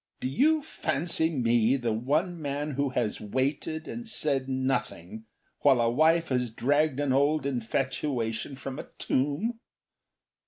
"Do you fancy me the one man who has waited and said nothing While a wife has dragged an old infatuation from a tomb?